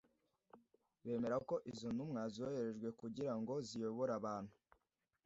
bemera ko izo ntumwa zoherejwe kugira ngo ziyobore abantu